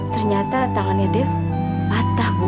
ternyata tangannya dep patah bu